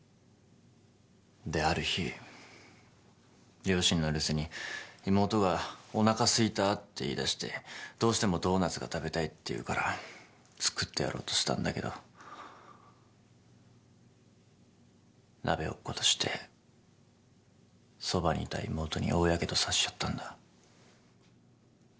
である日両親の留守に妹がおなかすいたって言いだしてどうしてもドーナツが食べたいって言うから作ってやろうとしたんだけど鍋落っことしてそばにいた妹に大やけどさせちゃったんだ。